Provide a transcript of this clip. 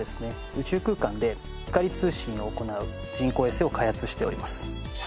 宇宙空間で光通信を行う人工衛星を開発しております。